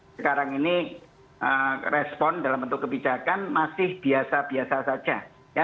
sekarang ini respon dalam bentuk kebijakan masih biasa biasa saja